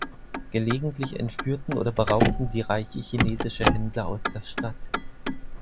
Gelegentlich entführten oder beraubten sie reiche chinesische Händler aus der Stadt.